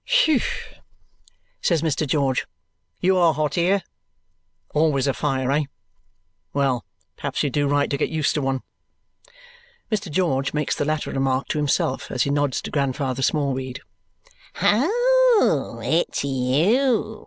"Whew!" says Mr. George. "You are hot here. Always a fire, eh? Well! Perhaps you do right to get used to one." Mr. George makes the latter remark to himself as he nods to Grandfather Smallweed. "Ho! It's you!"